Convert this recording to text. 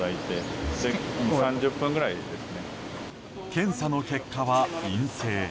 検査の結果は陰性。